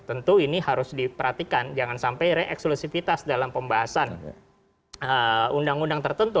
tentu ini harus diperhatikan jangan sampai reekselusifitas dalam pembahasan undang undang tertentu